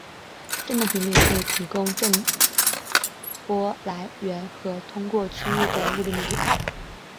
振动频率可以提供震波来源和通过区域的物质密度。